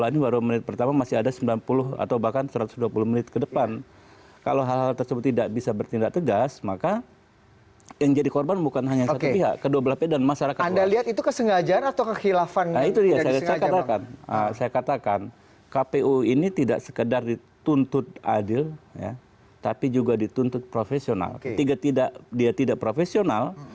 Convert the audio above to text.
hidup habib rahman mungkin